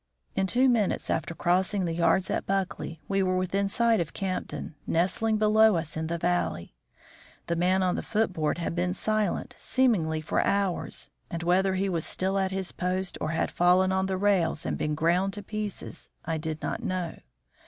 In two minutes after crossing the yards at Buckley we were within sight of Campton, nestling below us in the valley. The man on the foot board had been silent seemingly for hours, and whether he was still at his post or had fallen on the rails and been ground to pieces, I did not know.